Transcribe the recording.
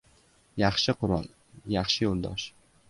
• Yaxshi qurol ― yaxshi yo‘ldosh.